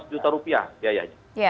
seratus juta rupiah biaya